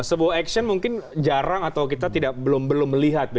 sebuah action mungkin jarang atau kita belum melihat